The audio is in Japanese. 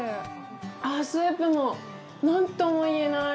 あぁスープもなんとも言えない。